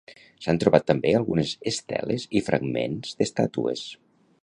S'han trobat també algunes esteles i fragments d'estàtues.